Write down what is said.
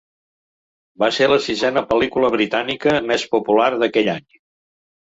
Va ser la sisena pel·lícula britànica més popular d'aquell any.